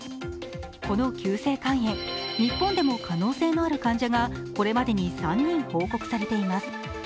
この急性肝炎、日本でも可能性のある患者がこれまでに３人報告されています。